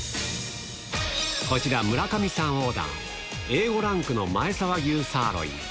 こちら、村上さんオーダー、Ａ５ランクの前沢牛サーロイン。